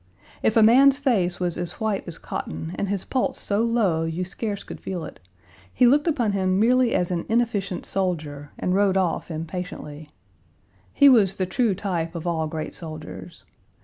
If a man's face was as white as cotton and his pulse so low you scarce could feel it, he looked upon him merely as an inefficient soldier and rode off impatiently. He was the true type of all great soldiers.